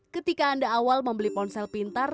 ketika anda awal membeli ponsel pintar